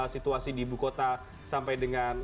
situasi di ibu kota sampai dengan